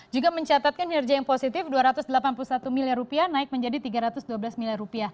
juga mencatatkan kinerja yang positif rp dua ratus delapan puluh satu miliar naik menjadi rp tiga ratus dua belas miliar